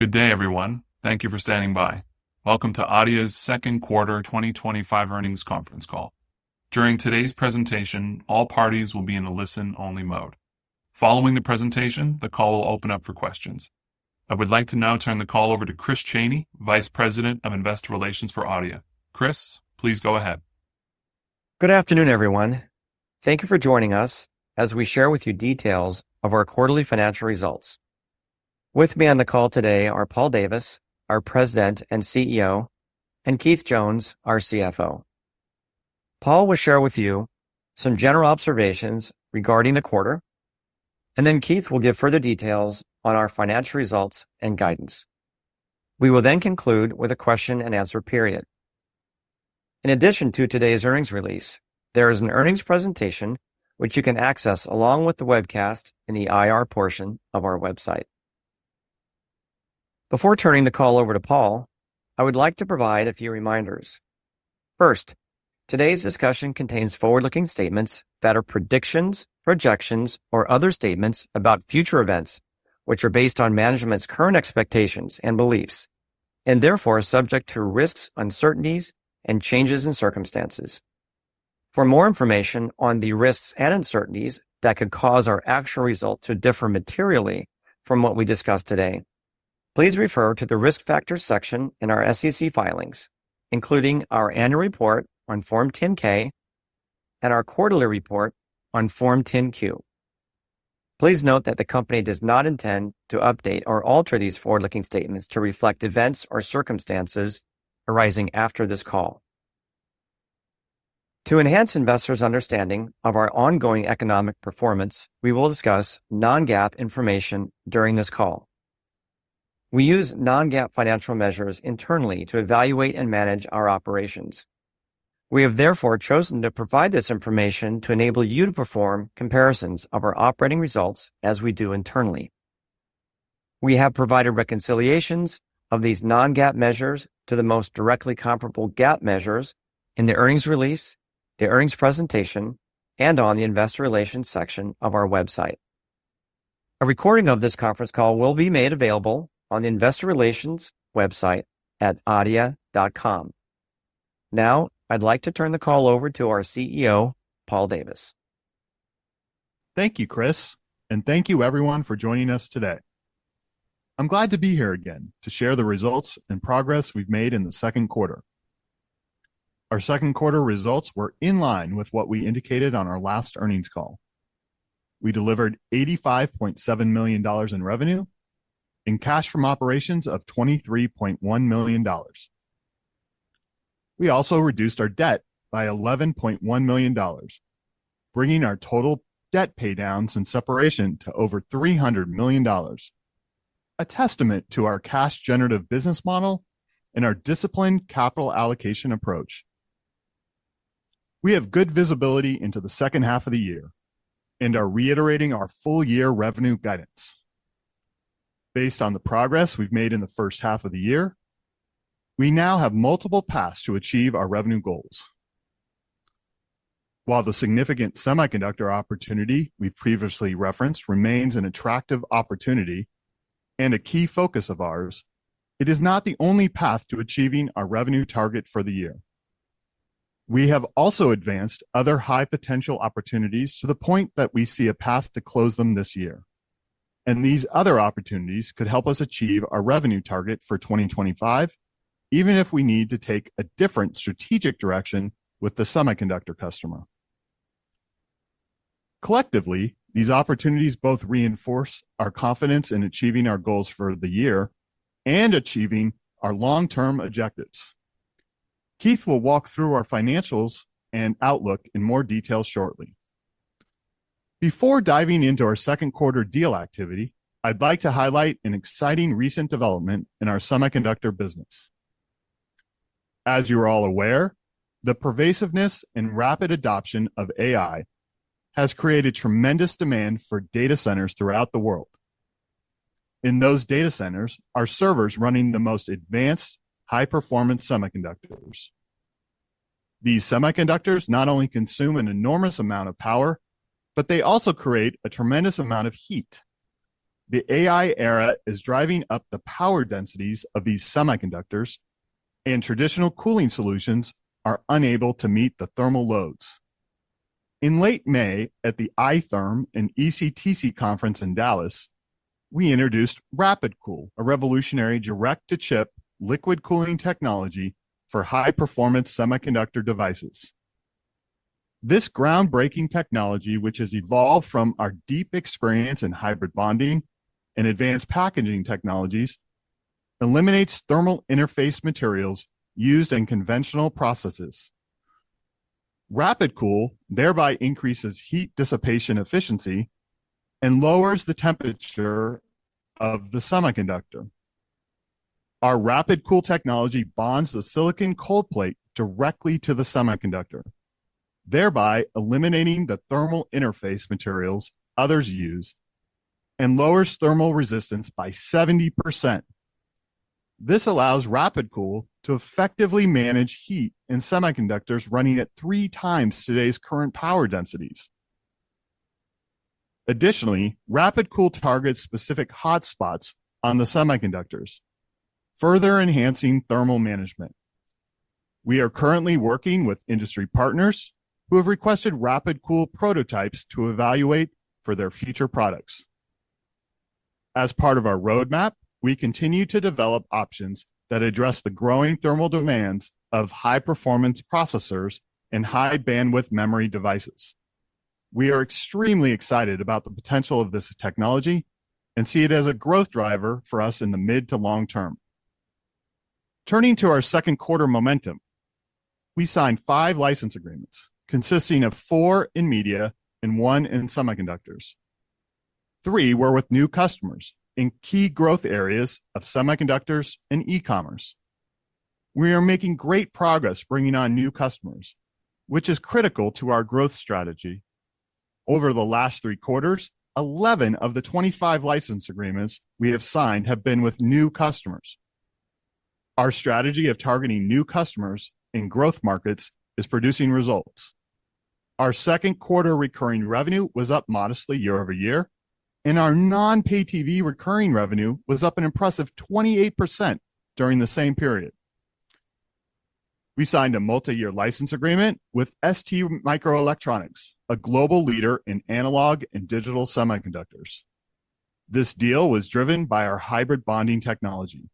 Good day, everyone. Thank you for standing by. Welcome to Adeia's second quarter 2025 earnings conference call. During today's presentation, all parties will be in a listen-only mode. Following the presentation, the call will open up for questions. I would like to now turn the call over to Chris Chaney, Vice President of Investor Relations for Adeia. Chris, please go ahead. Good afternoon, everyone. Thank you for joining us as we share with you details of our quarterly financial results. With me on the call today are Paul Davis, our President and CEO, and Keith Jones, our CFO. Paul will share with you some general observations regarding the quarter, and then Keith will give further details on our financial results and guidance. We will then conclude with a question and answer period. In addition to today's earnings release, there is an earnings presentation which you can access along with the webcast in the IR portion of our website. Before turning the call over to Paul, I would like to provide a few reminders. First, today's discussion contains forward-looking statements that are predictions, projections, or other statements about future events which are based on management's current expectations and beliefs, and therefore subject to risks, uncertainties, and changes in circumstances. For more information on the risks and uncertainties that could cause our actual results to differ materially from what we discussed today, please refer to the risk factors section in our SEC filings, including our annual report on Form 10-K and our quarterly report on Form 10-Q. Please note that the company does not intend to update or alter these forward-looking statements to reflect events or circumstances arising after this call. To enhance investors' understanding of our ongoing economic performance, we will discuss non-GAAP information during this call. We use non-GAAP financial measures internally to evaluate and manage our operations. We have therefore chosen to provide this information to enable you to perform comparisons of our operating results as we do internally. We have provided reconciliations of these non-GAAP measures to the most directly comparable GAAP measures in the earnings release, the earnings presentation, and on the investor relations section of our website. A recording of this conference call will be made available on the investor relations website at adeia.com. Now, I'd like to turn the call over to our CEO, Paul Davis. Thank you, Chris, and thank you everyone for joining us today. I'm glad to be here again to share the results and progress we've made in the second quarter. Our second quarter results were in line with what we indicated on our last earnings call. We delivered $85.7 million in revenue, and cash from operations of $23.1 million. We also reduced our debt by $11.1 million, bringing our total debt paydown since separation to over $300 million, a testament to our cash-generative business model and our disciplined capital allocation approach. We have good visibility into the second half of the year and are reiterating our full-year revenue guidance. Based on the progress we've made in the first half of the year, we now have multiple paths to achieve our revenue goals. While the significant semiconductor opportunity we previously referenced remains an attractive opportunity and a key focus of ours, it is not the only path to achieving our revenue target for the year. We have also advanced other high-potential opportunities to the point that we see a path to close them this year, and these other opportunities could help us achieve our revenue target for 2025, even if we need to take a different strategic direction with the semiconductor customer. Collectively, these opportunities both reinforce our confidence in achieving our goals for the year and achieving our long-term objectives. Keith will walk through our financials and outlook in more detail shortly. Before diving into our second quarter deal activity, I'd like to highlight an exciting recent development in our semiconductor business. As you are all aware, the pervasiveness and rapid adoption of AI has created tremendous demand for data centers throughout the world. In those data centers, our servers run the most advanced, high-performance semiconductors. These semiconductors not only consume an enormous amount of power, but they also create a tremendous amount of heat. The AI era is driving up the power densities of these semiconductors, and traditional cooling solutions are unable to meet the thermal loads. In late May at the iTherm and ECTC conference in Dallas, we introduced RapidCool, a revolutionary direct-to-chip liquid cooling technology for high-performance semiconductor devices. This groundbreaking technology, which has evolved from our deep experience in hybrid bonding and advanced packaging technologies, eliminates thermal interface materials used in conventional processes. RapidCool thereby increases heat dissipation efficiency and lowers the temperature of the semiconductor. Our RapidCool technology bonds the silicon cold plate directly to the semiconductor, thereby eliminating the thermal interface materials others use and lowers thermal resistance by 70%. This allows RapidCool to effectively manage heat in semiconductors running at three times today's current power densities. Additionally, RapidCool targets specific hotspots on the semiconductors, further enhancing thermal management. We are currently working with industry partners who have requested RapidCool prototypes to evaluate for their future products. As part of our roadmap, we continue to develop options that address the growing thermal demands of high-performance processors and high-bandwidth memory devices. We are extremely excited about the potential of this technology and see it as a growth driver for us in the mid to long term. Turning to our second quarter momentum, we signed five license agreements consisting of four in media and one in semiconductors. Three were with new customers in key growth areas of semiconductors and e-commerce. We are making great progress bringing on new customers, which is critical to our growth strategy. Over the last three quarters, 11 of the 25 license agreements we have signed have been with new customers. Our strategy of targeting new customers in growth markets is producing results. Our second quarter recurring revenue was up modestly year-over-year, and our non-pay TV recurring revenue was up an impressive 28% during the same period. We signed a multi-year license agreement with STMicroelectronics, a global leader in analog and digital semiconductors. This deal was driven by our hybrid bonding technology,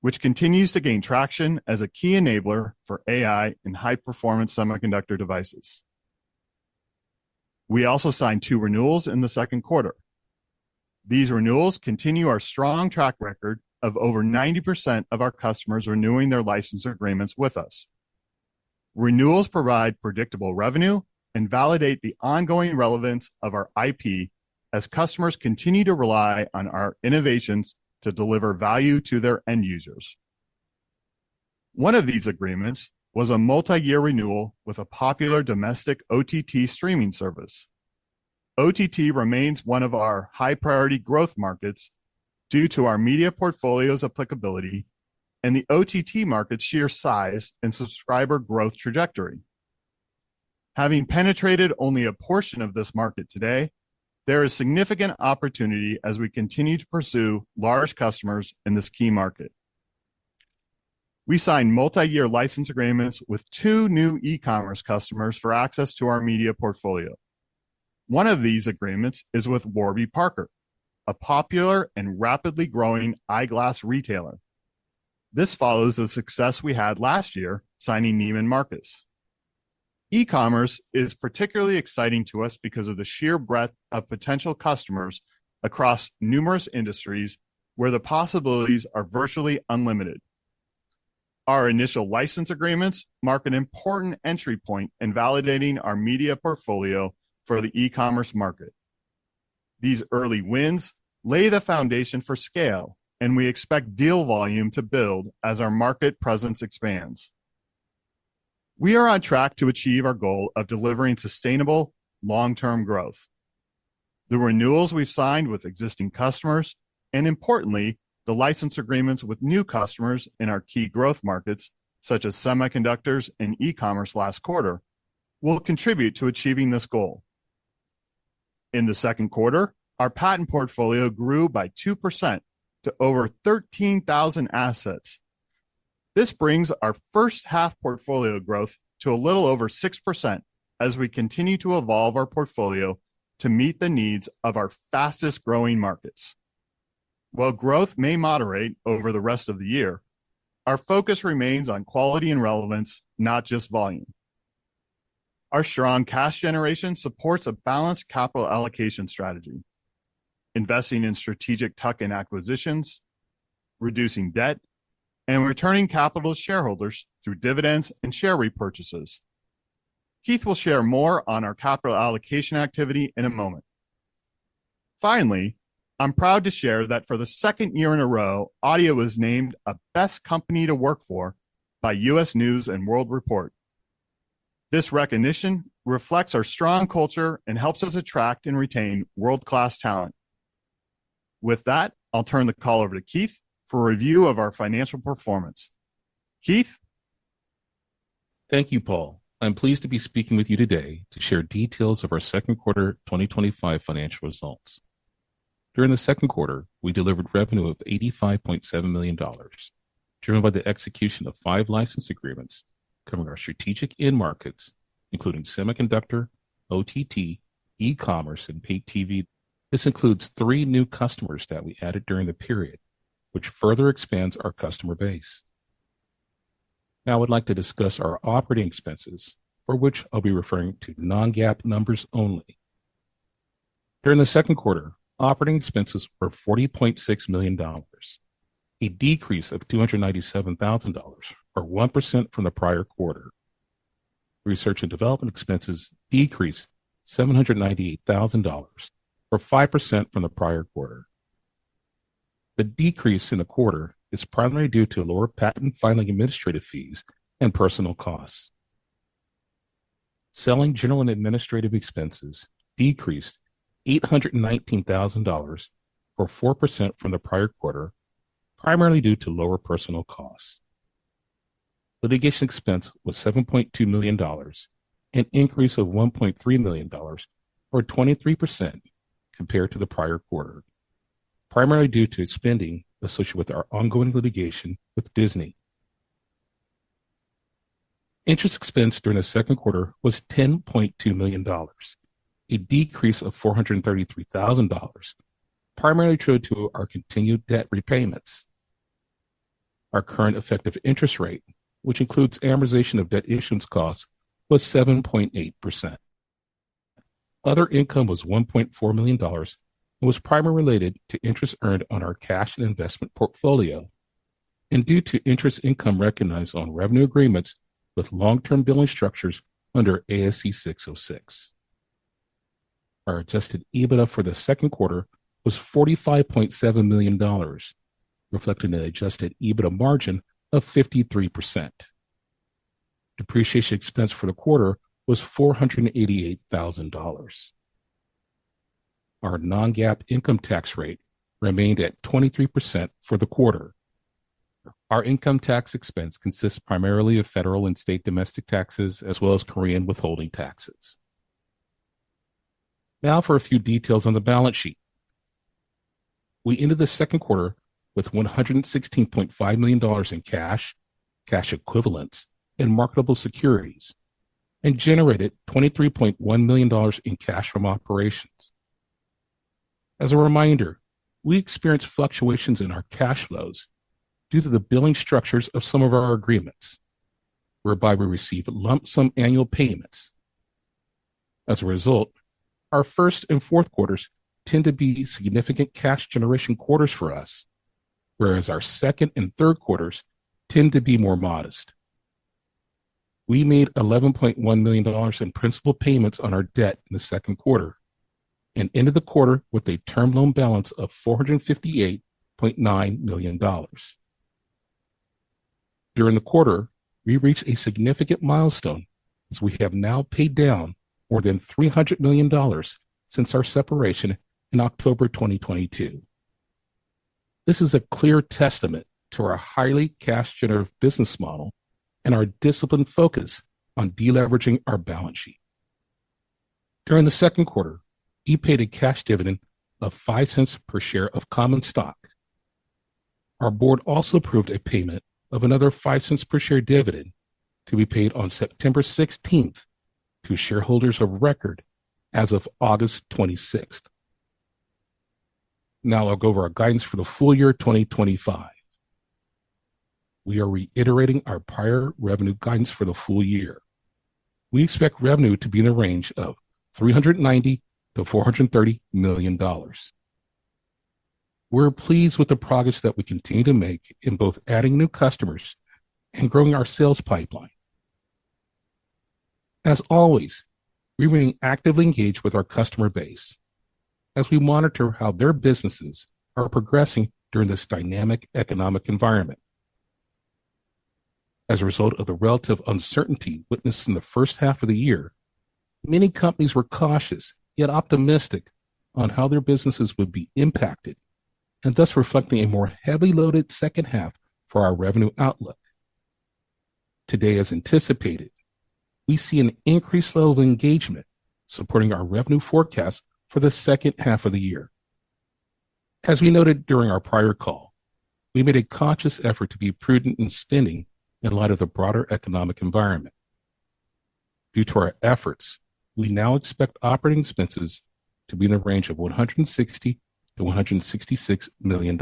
which continues to gain traction as a key enabler for AI in high-performance semiconductor devices. We also signed two renewals in the second quarter. These renewals continue our strong track record of over 90% of our customers renewing their license agreements with us. Renewals provide predictable revenue and validate the ongoing relevance of our IP as customers continue to rely on our innovations to deliver value to their end users. One of these agreements was a multi-year renewal with a popular domestic OTT streaming service. OTT remains one of our high-priority growth markets due to our media portfolio's applicability and the OTT market's sheer size and subscriber growth trajectory. Having penetrated only a portion of this market today, there is significant opportunity as we continue to pursue large customers in this key market. We signed multi-year license agreements with two new e-commerce customers for access to our media portfolio. One of these agreements is with Warby Parker, a popular and rapidly growing eyeglass retailer. This follows the success we had last year signing Neiman Marcus. E-commerce is particularly exciting to us because of the sheer breadth of potential customers across numerous industries where the possibilities are virtually unlimited. Our initial license agreements mark an important entry point in validating our media portfolio for the e-commerce market. These early wins lay the foundation for scale, and we expect deal volume to build as our market presence expands. We are on track to achieve our goal of delivering sustainable long-term growth. The renewals we've signed with existing customers and, importantly, the license agreements with new customers in our key growth markets, such as semiconductors and e-commerce last quarter, will contribute to achieving this goal. In the second quarter, our patent portfolio grew by 2% to over 13,000 assets. This brings our first half portfolio growth to a little over 6% as we continue to evolve our portfolio to meet the needs of our fastest growing markets. While growth may moderate over the rest of the year, our focus remains on quality and relevance, not just volume. Our strong cash generation supports a balanced capital allocation strategy, investing in strategic tuck-in acquisitions, reducing debt, and returning capital to shareholders through dividends and share repurchases. Keith will share more on our capital allocation activity in a moment. Finally, I'm proud to share that for the second year in a row, Adeia was named a Best Company to Work For by U.S. News & World Report. This recognition reflects our strong culture and helps us attract and retain world-class talent. With that, I'll turn the call over to Keith for a review of our financial performance. Keith? Thank you, Paul. I'm pleased to be speaking with you today to share details of our second quarter 2025 financial results. During the second quarter, we delivered revenue of $85.7 million, driven by the execution of five license agreements covering our strategic in-markets, including semiconductor, OTT, e-commerce, and pay-TV. This includes three new customers that we added during the period, which further expands our customer base. Now I would like to discuss our operating expenses, for which I'll be referring to non-GAAP numbers only. During the second quarter, operating expenses were $40.6 million, a decrease of $297,000, or 1% from the prior quarter. Research and development expenses decreased $798,000, or 5% from the prior quarter. The decrease in the quarter is primarily due to lower patent filing administrative fees and personnel costs. Selling, general, and administrative expenses decreased $819,000, or 4% from the prior quarter, primarily due to lower personnel costs. Litigation expense was $7.2 million, an increase of $1.3 million, or 23% compared to the prior quarter, primarily due to spending associated with our ongoing litigation with Disney. Interest expense during the second quarter was $10.2 million, a decrease of $433,000, primarily attributable to our continued debt repayments. Our current effective interest rate, which includes amortization of debt issuance costs, was 7.8%. Other income was $1.4 million, which was primarily related to interest earned on our cash and investment portfolio and due to interest income recognized on revenue agreements with long-term billing structures under ASC 606. Our adjusted EBITDA for the second quarter was $45.7 million, reflecting an adjusted EBITDA margin of 53%. Depreciation expense for the quarter was $488,000. Our non-GAAP income tax rate remained at 23% for the quarter. Our income tax expense consists primarily of federal and state domestic taxes, as well as Korean withholding taxes. Now for a few details on the balance sheet. We ended the second quarter with $116.5 million in cash, cash equivalents, and marketable securities, and generated $23.1 million in cash from operations. As a reminder, we experienced fluctuations in our cash flows due to the billing structures of some of our agreements, whereby we receive lump sum annual payments. As a result, our first and fourth quarters tend to be significant cash generation quarters for us, whereas our second and third quarters tend to be more modest. We made $11.1 million in principal payments on our debt in the second quarter and ended the quarter with a term loan balance of $458.9 million. During the quarter, we reached a significant milestone as we have now paid down more than $300 million since our separation in October 2022. This is a clear testament to our highly cash-generative business model and our disciplined focus on deleveraging our balance sheet. During the second quarter, we paid a cash dividend of $0.05 per share of common stock. Our board also approved a payment of another $0.05 per share dividend to be paid on September 16 to shareholders of record as of August 26. Now I'll go over our guidance for the full year 2025. We are reiterating our prior revenue guidance for the full year. We expect revenue to be in the range of $390-$430 million. We're pleased with the progress that we continue to make in both adding new customers and growing our sales pipeline. As always, we remain actively engaged with our customer base as we monitor how their businesses are progressing during this dynamic economic environment. As a result of the relative uncertainty witnessed in the first half of the year, many companies were cautious yet optimistic on how their businesses would be impacted, thus reflecting a more heavy-loaded second half for our revenue outlook. Today, as anticipated, we see an increased level of engagement supporting our revenue forecast for the second half of the year. As we noted during our prior call, we made a conscious effort to be prudent in spending in light of the broader economic environment. Due to our efforts, we now expect operating expenses to be in the range of $160 million-$166 million.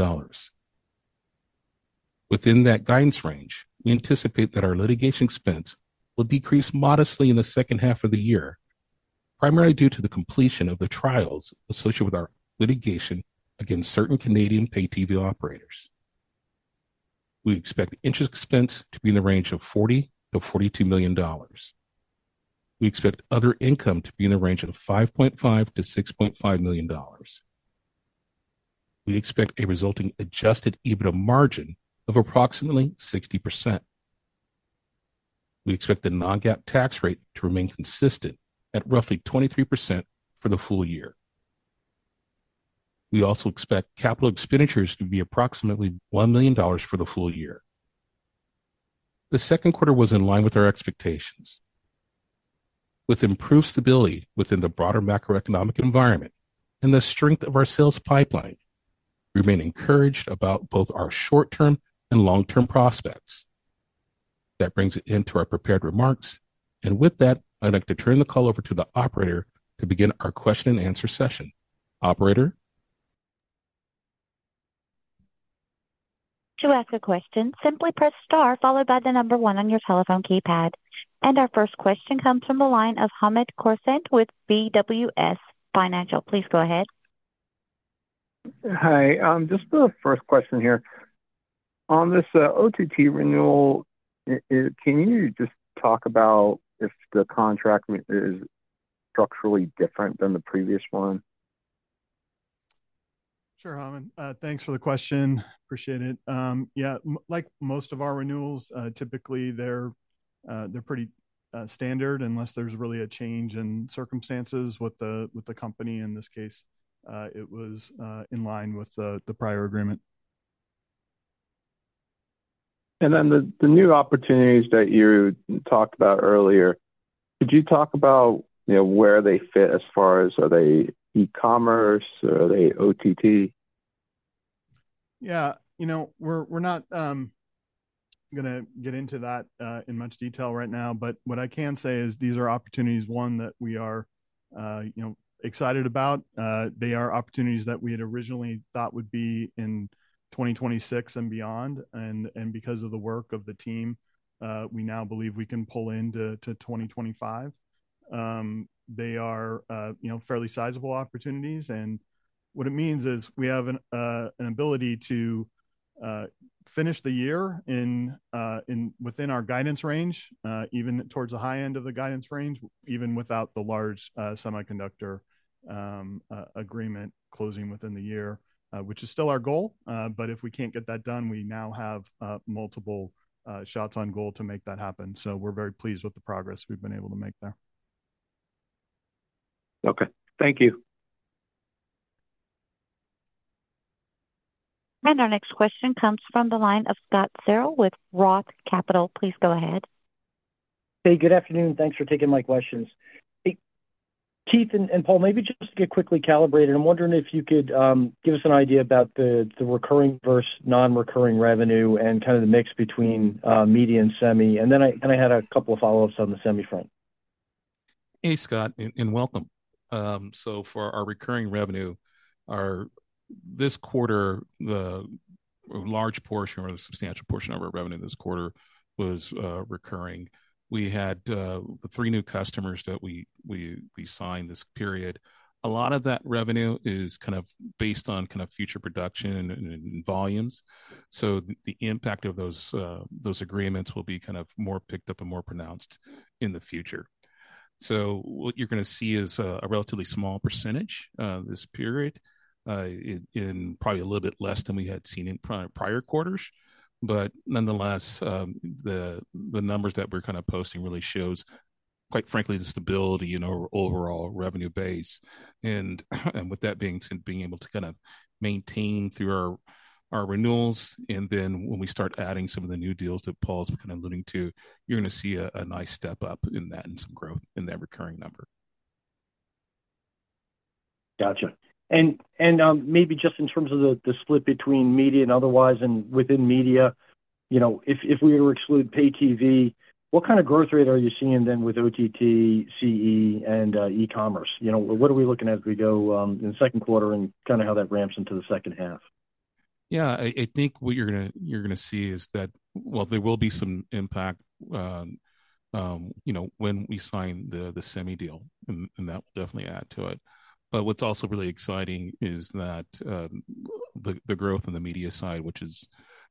Within that guidance range, we anticipate that our litigation expense will decrease modestly in the second half of the year, primarily due to the completion of the trials associated with our litigation against certain Canadian pay-TV operators. We expect interest expense to be in the range of $40 million-$42 million. We expect other income to be in the range of $5.5 million-$6.5 million. We expect a resulting adjusted EBITDA margin of approximately 60%. We expect the non-GAAP tax rate to remain consistent at roughly 23% for the full year. We also expect capital expenditures to be approximately $1 million for the full year. The second quarter was in line with our expectations. With improved stability within the broader macroeconomic environment and the strength of our sales pipeline, we remain encouraged about both our short-term and long-term prospects. That brings it to the end of our prepared remarks, and with that, I'd like to turn the call over to the operator to begin our question and answer session. Operator? To ask a question, simply press star followed by the number one on your telephone keypad. Our first question comes from the line of Hamed Khorsand with BWS Financial. Please go ahead. Hi. Just the first question here. On this OTT renewal, can you just talk about if the contract is structurally different than the previous one? Sure, Hamed. Thanks for the question. Appreciate it. Yeah, like most of our renewals, typically they're pretty standard unless there's really a change in circumstances with the company. In this case, it was in line with the prior agreement. Could you talk about where the new opportunities that you talked about earlier fit as far as are they e-commerce or are they OTT? We're not going to get into that in much detail right now, but what I can say is these are opportunities that we are excited about. They are opportunities that we had originally thought would be in 2026 and beyond, and because of the work of the team, we now believe we can pull into 2025. They are fairly sizable opportunities, and what it means is we have an ability to finish the year within our guidance range, even towards the high end of the guidance range, even without the large semiconductor agreement closing within the year, which is still our goal. If we can't get that done, we now have multiple shots on goal to make that happen. We're very pleased with the progress we've been able to make there. Okay, thank you. Our next question comes from the line of Scott Searle with Roth Capital. Please go ahead. Hey, good afternoon. Thanks for taking my questions. Hey, Keith and Paul, maybe just to get quickly calibrated, I'm wondering if you could give us an idea about the recurring versus non-recurring revenue and kind of the mix between media and semi. I had a couple of follow-ups on the semi front. Hey, Scott, and welcome. For our recurring revenue this quarter, a large portion or a substantial portion of our revenue this quarter was recurring. We had the three new customers that we signed this period. A lot of that revenue is based on future production and volumes. The impact of those agreements will be more picked up and more pronounced in the future. What you're going to see is a relatively small percentage this period, probably a little bit less than we had seen in prior quarters. Nonetheless, the numbers that we're posting really show, quite frankly, the stability in our overall revenue base. With that being said, being able to maintain through our renewals, and then when we start adding some of the new deals that Paul's alluding to, you're going to see a nice step up in that and some growth in that recurring number. Gotcha. Maybe just in terms of the split between media and otherwise, and within media, you know, if we were to exclude pay-TV, what kind of growth rate are you seeing then with OTT, CE, and e-commerce? You know, what are we looking at as we go in the second quarter and kind of how that ramps into the second half? I think what you're going to see is that there will be some impact when we sign the semi deal, and that will definitely add to it. What's also really exciting is that the growth on the media side, which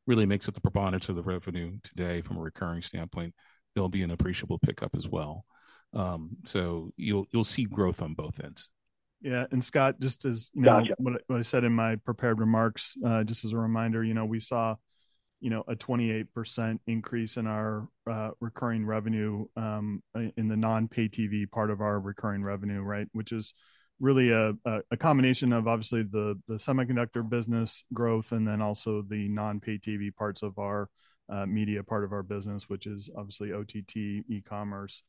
really makes up the preponderance of the revenue today from a recurring standpoint, there'll be an appreciable pickup as well. You'll see growth on both ends. Yeah, Scott, just as I said in my prepared remarks, just as a reminder, we saw a 28% increase in our recurring revenue in the non-pay TV part of our recurring revenue, right? Which is really a combination of obviously the semiconductor business growth and then also the non-pay TV parts of our media part of our business, which is obviously OTT, e-commerce,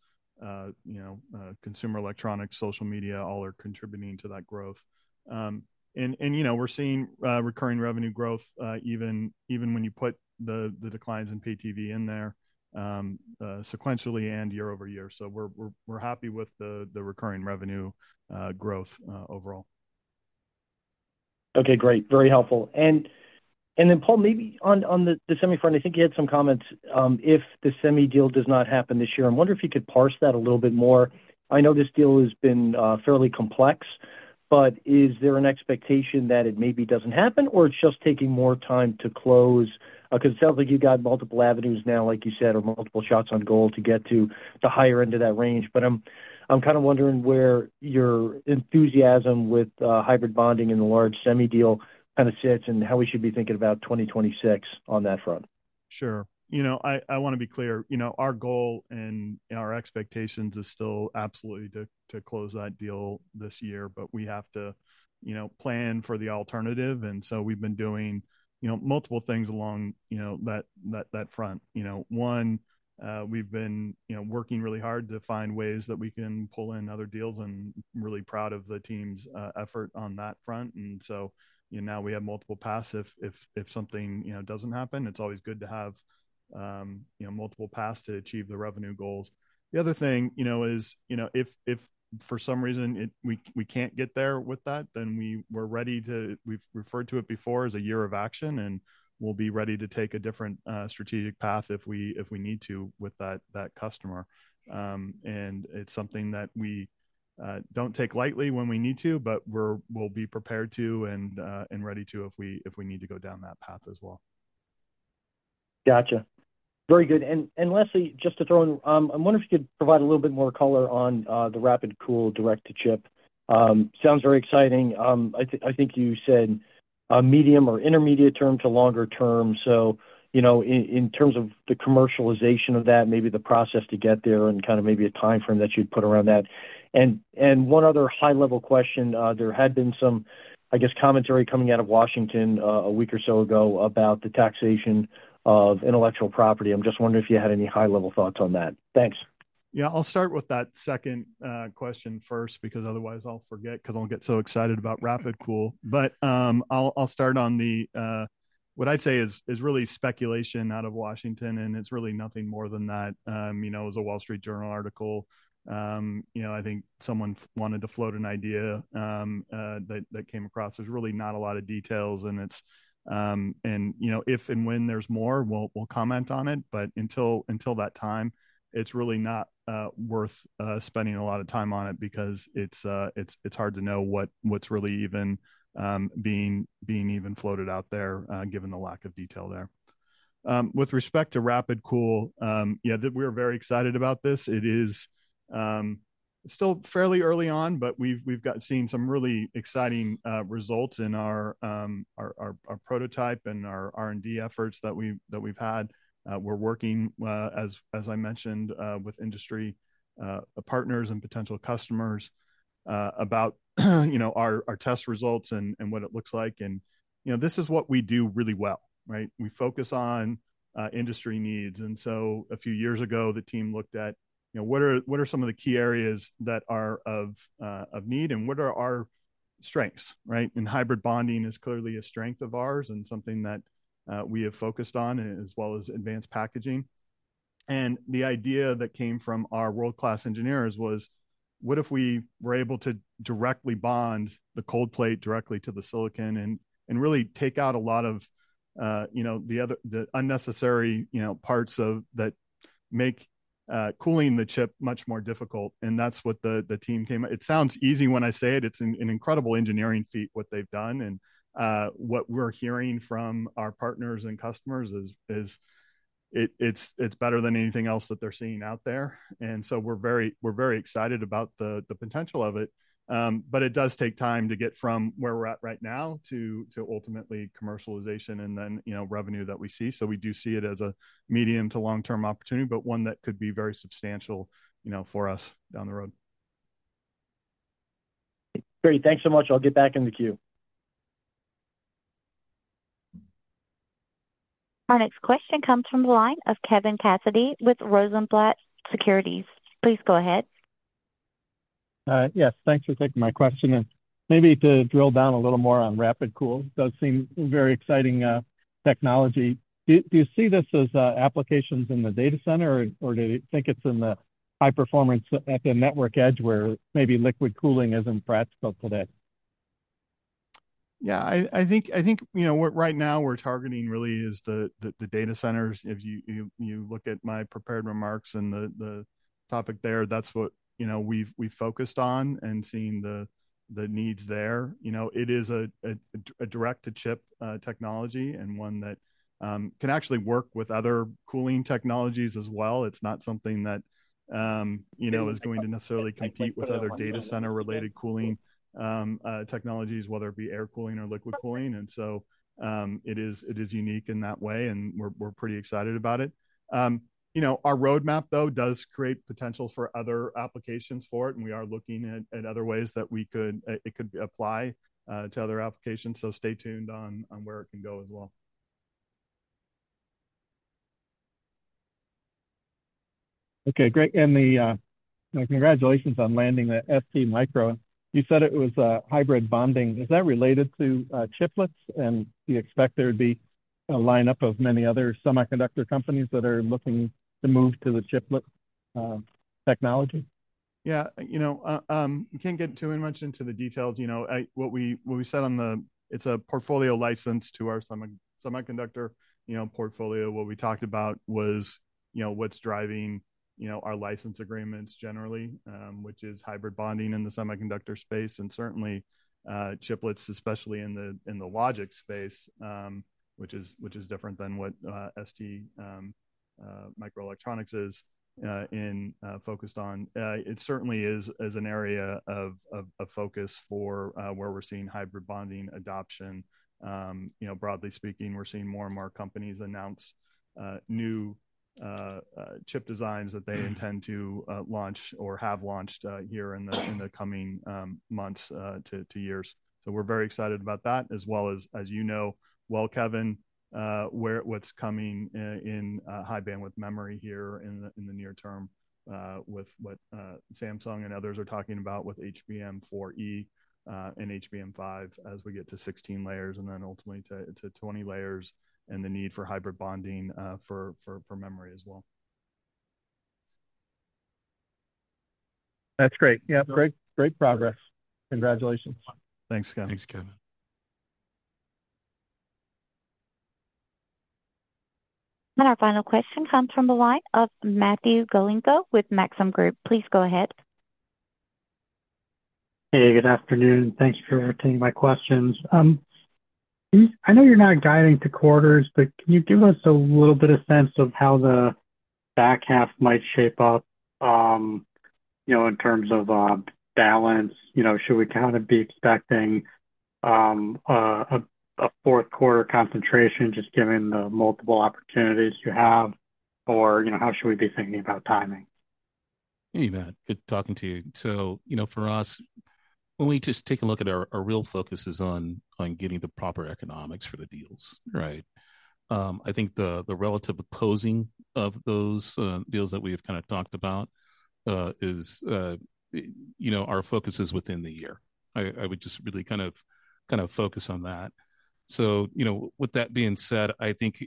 consumer electronics, social media, all are contributing to that growth. We're seeing recurring revenue growth even when you put the declines in pay-TV in there sequentially and year-over-year. We're happy with the recurring revenue growth overall. Okay, great. Very helpful. Paul, maybe on the semi front, I think you had some comments if the semi deal does not happen this year. I'm wondering if you could parse that a little bit more. I know this deal has been fairly complex, but is there an expectation that it maybe doesn't happen or it's just taking more time to close? It sounds like you've got multiple avenues now, like you said, or multiple shots on goal to get to the higher end of that range. I'm kind of wondering where your enthusiasm with hybrid bonding and the large semi deal kind of sits and how we should be thinking about 2026 on that front. Sure. I want to be clear, our goal and our expectations are still absolutely to close that deal this year, but we have to plan for the alternative. We have been doing multiple things along that front. One, we have been working really hard to find ways that we can pull in other deals and really proud of the team's effort on that front. Now we have multiple paths. If something doesn't happen, it's always good to have multiple paths to achieve the revenue goals. The other thing is, if for some reason we can't get there with that, then we're ready to, we've referred to it before as a year of action, and we'll be ready to take a different strategic path if we need to with that customer. It's something that we don't take lightly when we need to, but we'll be prepared to and ready to if we need to go down that path as well. Gotcha. Very good. Lastly, just to throw in, I'm wondering if you could provide a little bit more color on the RapidCool direct-to-chip. Sounds very exciting. I think you said a medium or intermediate term to longer term. In terms of the commercialization of that, maybe the process to get there and kind of maybe a timeframe that you'd put around that. One other high-level question, there had been some, I guess, commentary coming out of Washington a week or so ago about the taxation of intellectual property. I'm just wondering if you had any high-level thoughts on that. Thanks. I'll start with that second question first because otherwise I'll forget because I'll get so excited about RapidCool. I'll start on what I'd say is really speculation out of Washington, and it's really nothing more than that. It was a Wall Street Journal article. I think someone wanted to float an idea that came across. There's really not a lot of details, and if and when there's more, we'll comment on it. Until that time, it's really not worth spending a lot of time on it because it's hard to know what's really even being floated out there, given the lack of detail there. With respect to RapidCool, we're very excited about this. It is still fairly early on, but we've seen some really exciting results in our prototype and our R&D efforts that we've had. We're working, as I mentioned, with industry partners and potential customers about our test results and what it looks like. This is what we do really well, right? We focus on industry needs. A few years ago, the team looked at what are some of the key areas that are of need and what are our strengths, right? Hybrid bonding is clearly a strength of ours and something that we have focused on, as well as advanced packaging. The idea that came from our world-class engineers was, what if we were able to directly bond the cold plate directly to the silicon and really take out a lot of the unnecessary parts that make cooling the chip much more difficult? That's what the team came up. It sounds easy when I say it. It's an incredible engineering feat, what they've done. What we're hearing from our partners and customers is it's better than anything else that they're seeing out there. We're very excited about the potential of it. It does take time to get from where we're at right now to ultimately commercialization and then revenue that we see. We do see it as a medium to long-term opportunity, but one that could be very substantial for us down the road. Great. Thanks so much. I'll get back in the queue. Our next question comes from the line of Kevin Cassidy with Rosenblatt Securities. Please go ahead. Yes, thanks for taking my question. Maybe to drill down a little more on RapidCool, it does seem a very exciting technology. Do you see this as applications in the data center, or do you think it's in the high-performance at the network edge where maybe liquid cooling isn't practical today? Yeah, I think right now what we're targeting really is the data centers. If you look at my prepared remarks and the topic there, that's what we've focused on and seen the needs there. It is a direct-to-chip technology and one that can actually work with other cooling technologies as well. It's not something that is going to necessarily compete with other data center-related cooling technologies, whether it be air cooling or liquid cooling. It is unique in that way, and we're pretty excited about it. Our roadmap, though, does create potential for other applications for it, and we are looking at other ways that we could apply to other applications. Stay tuned on where it can go as well. Okay, great. Congratulations on landing the STMicro. You said it was a hybrid bonding. Is that related to chiplets? Do you expect there to be a lineup of many other semiconductor companies that are looking to move to the chiplet technology? Yeah, you know, you can't get too much into the details. What we said on the, it's a portfolio license to our semiconductor portfolio. What we talked about was what's driving our license agreements generally, which is hybrid bonding in the semiconductor space and certainly chiplets, especially in the logic space, which is different than what STMicroelectronics is focused on. It certainly is an area of focus for where we're seeing hybrid bonding adoption. Broadly speaking, we're seeing more and more companies announce new chip designs that they intend to launch or have launched here in the coming months to years. We're very excited about that, as well as, as you know, Kevin, what's coming in high bandwidth memory here in the near term with what Samsung and others are talking about with HBM4e and HBM5 as we get to 16 layers and then ultimately to 20 layers and the need for hybrid bonding for memory as well. That's great. Yeah, great progress. Congratulations. Thanks, Kevin. Our final question comes from the line of Matthew Galinko with Maxim Group. Please go ahead. Hey, good afternoon. Thank you for entertaining my questions. I know you're not guiding to quarters, but can you give us a little bit of sense of how the back half might shape up in terms of balance? Should we kind of be expecting a fourth quarter concentration just given the multiple opportunities you have, or how should we be thinking about timing? Hey, Matt. Good talking to you. For us, when we just take a look at our real focus, it is on getting the proper economics for the deals, right? I think the relative closing of those deals that we've kind of talked about is, you know, our focus is within the year. I would just really kind of focus on that. With that being said, I think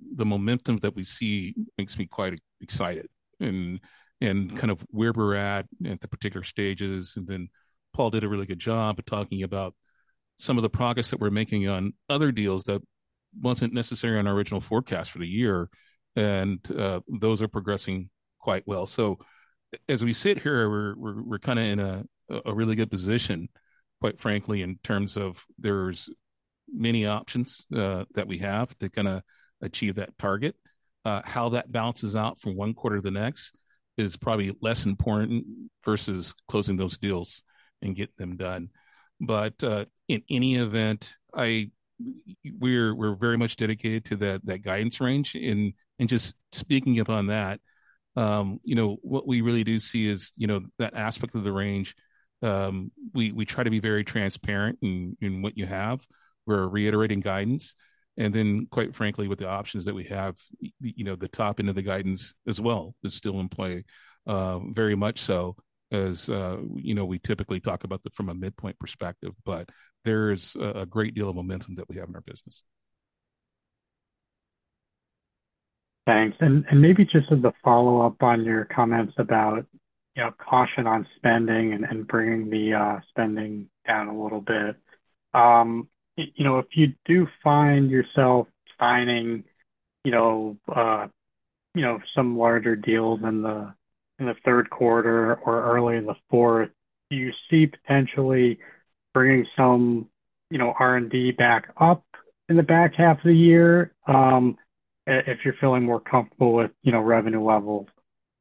the momentum that we see makes me quite excited, and kind of where we're at at the particular stages. Paul did a really good job of talking about some of the progress that we're making on other deals that weren't necessarily on our original forecast for the year, and those are progressing quite well. As we sit here, we're kind of in a really good position, quite frankly, in terms of there's many options that we have to kind of achieve that target. How that balances out from one quarter to the next is probably less important versus closing those deals and getting them done. In any event, we're very much dedicated to that guidance range. Just speaking up on that, what we really do see is that aspect of the range, we try to be very transparent in what you have. We're reiterating guidance. Quite frankly, with the options that we have, the top end of the guidance as well is still in play, very much so, as we typically talk about from a midpoint perspective. There's a great deal of momentum that we have in our business. Thanks. Maybe just as a follow-up on your comments about caution on spending and bringing the spending down a little bit. If you do find yourself signing some larger deals in the third quarter or early in the fourth, do you see potentially bringing some R&D back up in the back half of the year if you're feeling more comfortable with revenue levels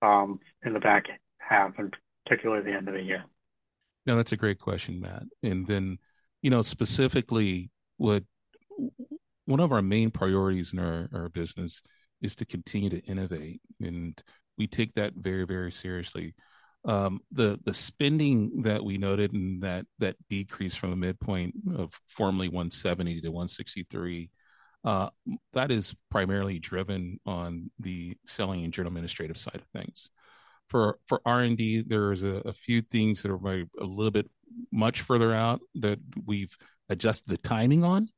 in the back half, and particularly in the year. Yeah, that's a great question, Matt. Specifically, one of our main priorities in our business is to continue to innovate, and we take that very, very seriously. The spending that we noted and that decrease from a midpoint of formerly $170 million-$163 million is primarily driven on the selling, general, and administrative side of things. For R&D, there are a few things that are a little bit much further out that we've adjusted the timing on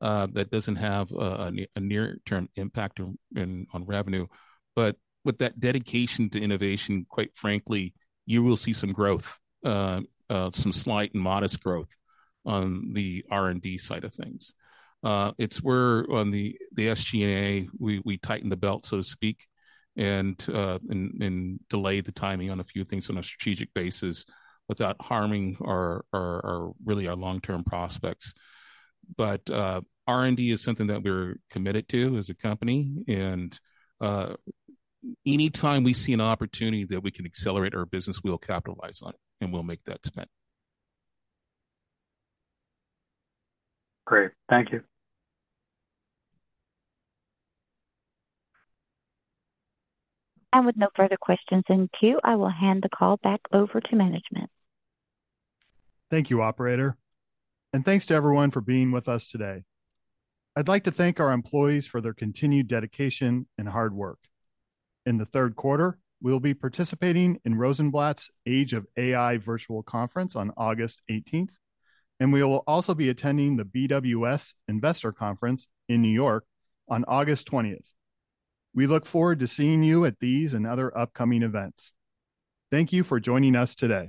that doesn't have a near-term impact on revenue. With that dedication to innovation, quite frankly, you will see some growth, some slight and modest growth on the R&D side of things. It's where on the SG&A, we tightened the belt, so to speak, and delayed the timing on a few things on a strategic basis without harming our really long-term prospects. R&D is something that we're committed to as a company, and anytime we see an opportunity that we can accelerate our business, we'll capitalize on it and we'll make that commitment. Great. Thank you. With no further questions in queue, I will hand the call back over to management. Thank you, Operator. Thank you to everyone for being with us today. I'd like to thank our employees for their continued dedication and hard work. In the third quarter, we'll be participating in Rosenblatt's Age of AI Virtual Conference on August 18, and we will also be attending the BWS Investor Conference in New York on August 20. We look forward to seeing you at these and other upcoming events. Thank you for joining us today.